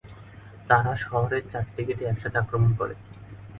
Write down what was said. তারা শহরের চারটি গেটে একসাথে আক্রমণ করে।